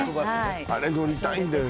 あれ乗りたいんだよな